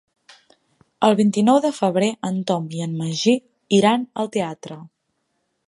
El vint-i-nou de febrer en Tom i en Magí iran al teatre.